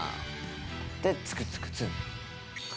でツクツクツン。